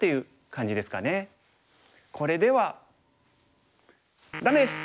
これではダメです！